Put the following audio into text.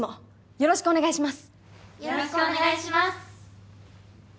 よろしくお願いします。